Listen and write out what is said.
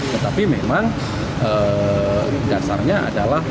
tetapi memang dasarnya adalah